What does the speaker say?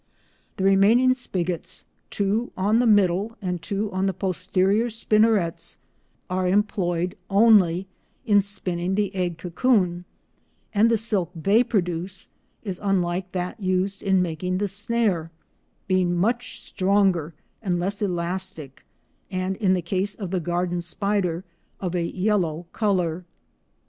The remaining spigots—two on the middle and two on the posterior spinnerets are employed only in spinning the egg cocoon, and the silk they produce is unlike that used in making the snare, being much stronger and less elastic, and—in the case of the garden spider—of a yellow colour.